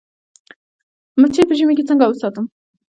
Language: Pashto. مچۍ په ژمي کې څنګه وساتم؟